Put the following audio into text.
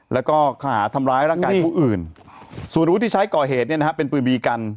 แล้วก็ขาทำร้ายร่างกายผู้อื่นส่วนอาวุธที่ใช้ก่อเหตุเนี่ยนะฮะเป็นปืนบีกัน